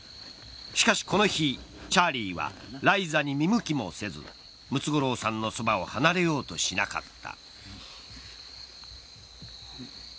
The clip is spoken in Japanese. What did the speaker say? しかしこの日、チャーリーはライザに見向きもせずムツゴロウさんのそばを離れようとしなかった。